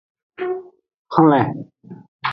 Hlen.